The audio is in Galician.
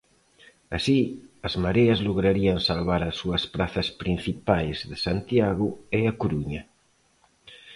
Así, as mareas lograrían salvar as súas prazas principais de Santiago e A Coruña.